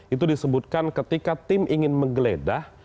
itu disebutkan ketika tim ingin menggeledah